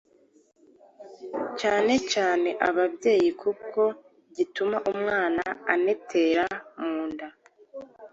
cyane cyane ababyeyi kuko gituma umwana anetera mu nda,